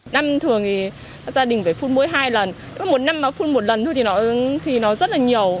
năm thường thì gia đình phải phun mũi hai lần mỗi một năm phun một lần thôi thì nó rất là nhiều